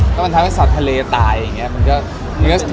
ก็มันทำให้สัตว์ทะเลตายอย่างนี้